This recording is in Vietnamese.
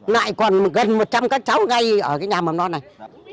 lại còn gần một trăm linh các cháu ngay ở cái nhà mầm non này